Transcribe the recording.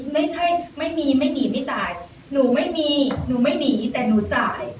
ไม่มีไม่หนีไม่จ่ายหนูไม่มีหนูไม่หนีแต่หนูจ่าย